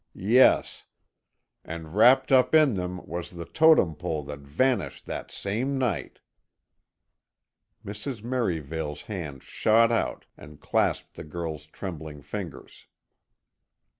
"Yes. And wrapped up in them was the Totem Pole that vanished that same night." Mrs. Merivale's hand shot out and clasped the girl's trembling fingers.